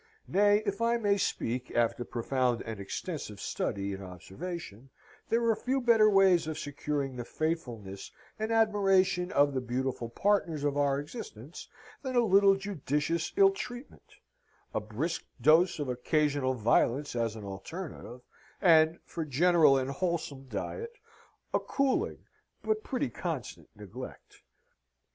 Nay, if I may speak, after profound and extensive study and observation, there are few better ways of securing the faithfulness and admiration of the beautiful partners of our existence than a little judicious ill treatment, a brisk dose of occasional violence as an alterative, and, for general and wholesome diet, a cooling but pretty constant neglect.